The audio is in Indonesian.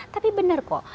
tapi benar kok